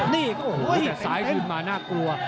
นี่โอ้โหแต่ซ้ายกลุ่นมาน่ากลัว